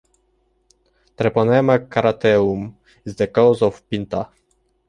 "Treponema carateum" is the cause of pinta.